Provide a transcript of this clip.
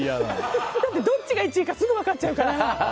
どっちが１位かすぐ分かっちゃうから。